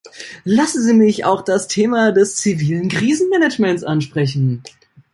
Lassen Sie mich auch das Thema des zivilen Krisenmanagements ansprechen.